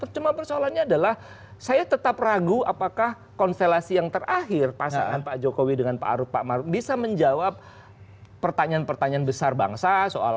cuma persoalannya adalah saya tetap ragu apakah konstelasi yang terakhir pasangan pak jokowi dengan pak maruf bisa menjawab pertanyaan pertanyaan besar bangsa